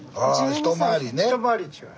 一回り違う。